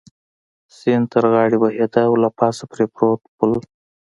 سیند تر غاړې بهېده او له پاسه پرې پروت پل.